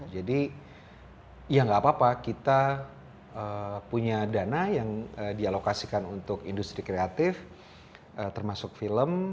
jadi ya nggak apa apa kita punya dana yang dialokasikan untuk industri kreatif termasuk film